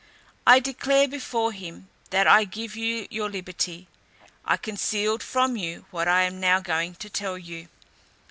I declare before him, that I give you your liberty. I concealed from you what I am now going to tell you.